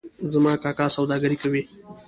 زما کاکا سوداګري کوي